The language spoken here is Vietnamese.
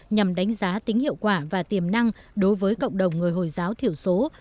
nhằm đánh giá tính hiệu quả và tiềm năng đối với cộng đồng người hồi giáo thiểu số